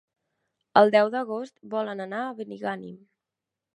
El deu d'agost volen anar a Benigànim.